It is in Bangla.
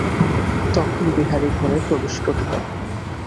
তখন বিহারী ঘরে প্রবেশ করিল।